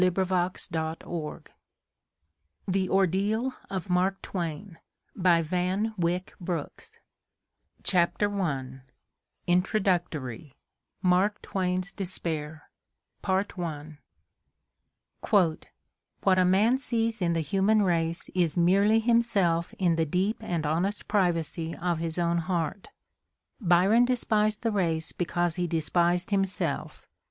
Mustered Out 246 vu THE ORDEAL OF MARK TWAIN THE ORDEAL OF MARK TWAIN CHAPTER I INTRODUCTORY: MARK TWAIN'S DESPAIR "What a man sees in the human race is merely himself in the deep and honest privacy of his own heart. Byron despised the race because he despised himself.